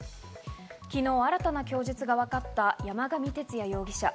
昨日、新たな供述がわかった山上徹也容疑者。